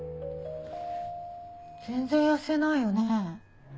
全然痩せないよね。